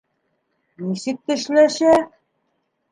Нисек тешләшә!